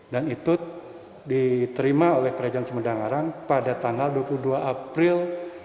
dan itu diterima oleh kerajaan sumedang larang pada tanggal dua puluh dua april seribu lima ratus tujuh puluh delapan